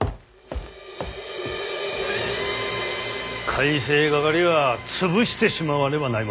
改正掛は潰してしまわねばないもはん。